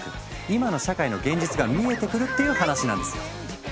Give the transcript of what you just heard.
今の社会の現実が見えてくる！っていう話なんですよ。